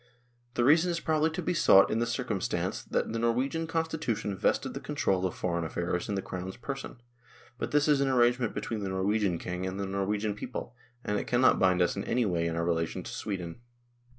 The reason is probably to be sought in the circumstance that the Norwegian Constitution vested the control of foreign affairs in the Crown's person ; but this is an arrangement between the Norwegian King and the Norwegian people, and it cannot bind us in any way in our relation to Sweden.